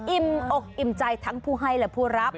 อิ่มอกอิ่มใจทั้งผู้ให้และผู้รับ